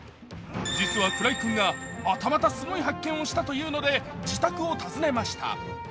実は鞍井君が、またまたすごい発見をしたというので自宅を訪ねました。